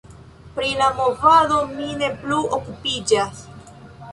Pri la movado mi ne plu okupiĝas.